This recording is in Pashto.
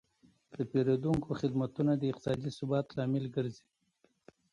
د پیرودونکو خدمتونه د اقتصادي ثبات لامل ګرځي.